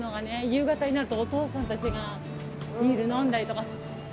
夕方になるとおとうさんたちがビール飲んだりとか。